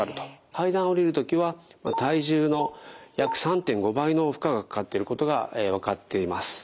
階段を下りる時は体重の約３．５倍の負荷がかかっていることが分かっています。